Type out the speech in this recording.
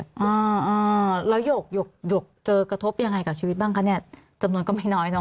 อ่าแล้วยกเจอกระทบอย่างไรกับชีวิตบ้างคะจำนวนก็ไม่น้อยเนอะ